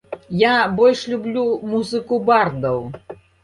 Я больш люблю музыку бардаў.